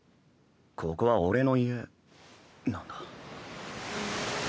ここは俺の家なんだ。